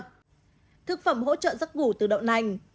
thực phẩm hỗ trợ giấc ngủ từ đậu nành